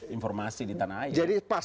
informasi di tanah air jadi pas